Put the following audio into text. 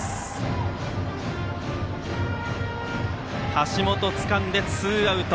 橋本つかんでツーアウト。